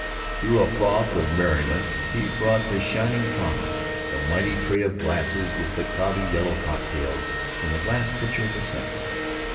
Through a froth of merriment he brought the shining promise, the mighty tray of glasses with the cloudy yellow cocktails in the glass pitcher in the center.